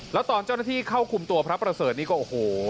แล้วตอนเจ้าหน้าที่เข้าคุมตัวพระประเสริฐนี่ก็โอ้โห